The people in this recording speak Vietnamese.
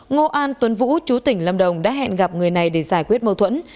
ngô an tuấn vũ chú tỉnh lâm đồng đã hẹn gặp người này để giải quyết mâu thuẫn